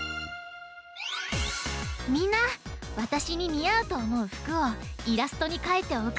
みんなわたしににあうとおもうふくをイラストにかいておくってね！